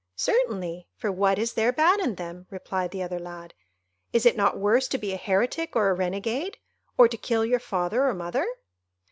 "Certainly! for what is there bad in them?" replied the other lad! "Is it not worse to be a heretic or a renegade? or to kill your father or mother?"